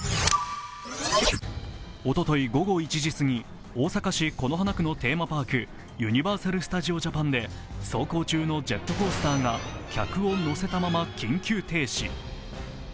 おととい午後１時過ぎ、大阪市此花区のテーマパーク、ユニバーサル・スタジオ・ジャパンで走行中のジェットコースターが客を乗せたまま緊急停止。